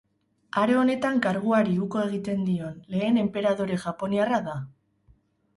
Aro honetan karguari uko egiten dion lehen enperadore japoniarra da.